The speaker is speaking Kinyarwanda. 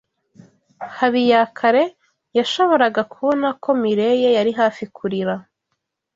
Habiyakare yashoboraga kubona ko Mirelle yari hafi kurira.